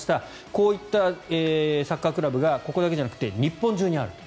こういったサッカークラブがここだけじゃなくて日本中にあると。